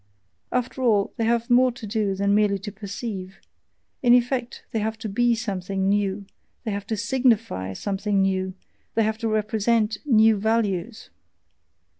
After all, they have more to do than merely to perceive: in effect, they have to BE something new, they have to SIGNIFY something new, they have to REPRESENT new values!